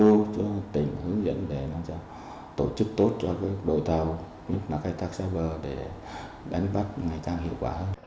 chúng tôi sẽ tiếp tục tham mưu cho tỉnh hướng dẫn để tổ chức tốt cho đội tàu khai thác xa bờ để đánh bắt ngày càng hiệu quả